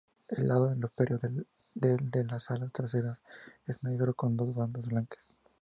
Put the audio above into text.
El lado superior del de las alas traseras es negro con dos bandas blancas.